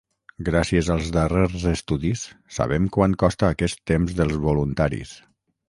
Gràcies als darrers estudis, sabem quant costa aquest temps dels voluntaris.